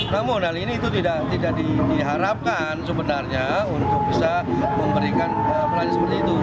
namun hal ini itu tidak diharapkan sebenarnya untuk bisa memberikan pelayanan seperti itu